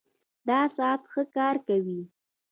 دا ساعت ښه کار کوي